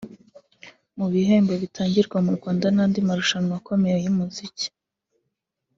Mu bihembo bitangirwa mu Rwanda n’andi marushanwa akomeye y’umuziki